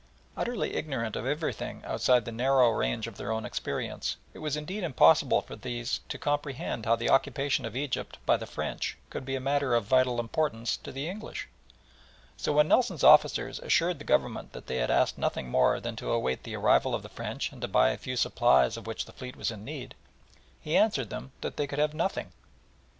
Utterly ignorant of everything outside the narrow range of their own experience, it was indeed impossible for these to comprehend how the occupation of Egypt by the French could be a matter of vital importance to the English. So when Nelson's officers assured the Governor that they asked nothing more than to await the arrival of the French and to buy a few supplies of which the fleet was in need, he answered them that they could have nothing.